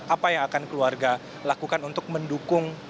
apa yang akan keluarga lakukan untuk mendukung